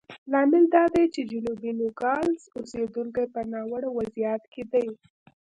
لامل دا دی چې جنوبي نوګالس اوسېدونکي په ناوړه وضعیت کې دي.